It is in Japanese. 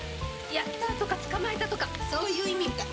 「やったー」とか「捕まえた」とかそういう意味みたい。